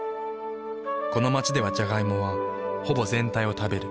この街ではジャガイモはほぼ全体を食べる。